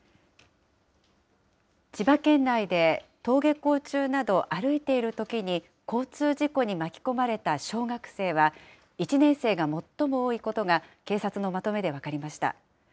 千葉県内で、登下校中など歩いているときに、交通事故に巻き込まれた小学生は、１年生が最も多いことが、警察のまとめで分かりました。